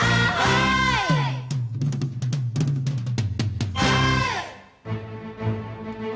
jangan lupa gue